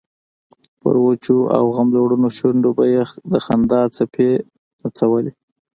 پر وچو او غم لړلو شونډو به یې د خندا څپې نڅولې.